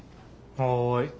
はい。